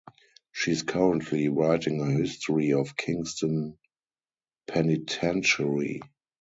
She is currently writing a history of Kingston Penitentiary.